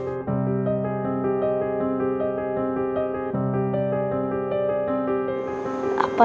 aku ingin berubah